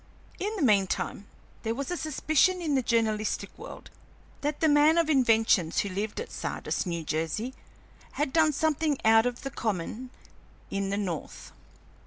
In the meantime there was a suspicion in the journalistic world that the man of inventions who lived at Sardis, New Jersey, had done something out of the common in the North.